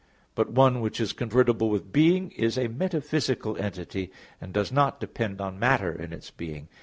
But "one" which is convertible with being is a metaphysical entity and does not depend on matter in its being.